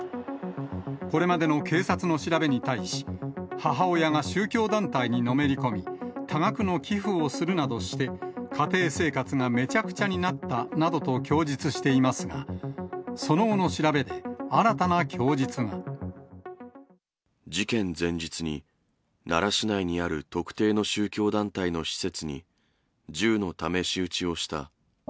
これまでの警察の調べに対し、母親が宗教団体にのめり込み、多額の寄付をするなどして、家庭生活がめちゃくちゃになったなどと供述していますが、事件前日に、奈良市内にある特定の宗教団体の施設に銃の試し撃ちをした。